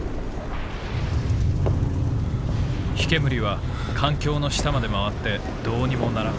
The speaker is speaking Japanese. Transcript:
「火煙は艦橋の下まで廻ってどうにもならん。